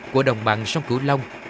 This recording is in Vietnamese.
của đồng bằng sông cửu long